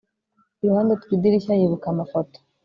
iruhande rwidirishya yibuka amafoto